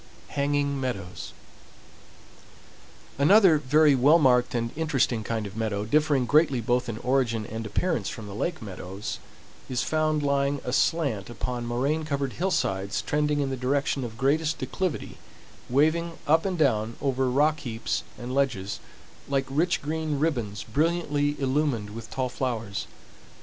HANGING MEADOWS Another, very well marked and interesting kind of meadow, differing greatly both in origin and appearance from the lake meadows, is found lying aslant upon moraine covered hillsides trending in the direction of greatest declivity, waving up and down over rock heaps and ledges, like rich green ribbons brilliantly illumined with tall flowers.